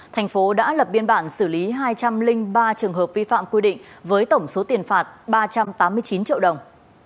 thành phố đã lập biên bản xử lý hai trăm linh ba trường hợp vi phạm quy định với tổng số tiền phạt ba trăm tám mươi chín triệu đồng